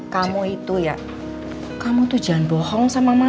kamu itu ya kamu tuh jangan bohong sama mama